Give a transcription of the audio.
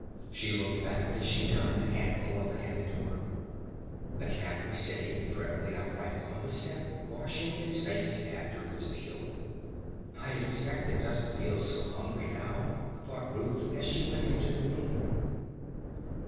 She looked back as she turned the handle of the heavy door. The cat was sitting primly upright on the step washing its face after its meal. "I expect it doesn't feel so hungry now," thought Ruth as she went into the room.